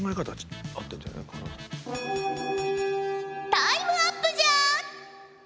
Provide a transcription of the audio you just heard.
タイムアップじゃ！